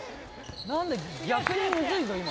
なんで逆にむずいぞ今の。